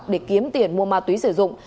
để kiếm tiền mua ma túy sử dụng